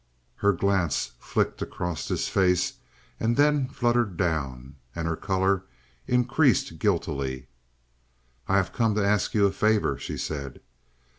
Her glance flicked across his face and then fluttered down, and her color increased guiltily. "I have come to ask you a favor," she said.